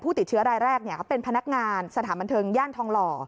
ติดเชื้อรายแรกเขาเป็นพนักงานสถานบันเทิงย่านทองหล่อ